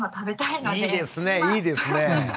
いいですねいいですね。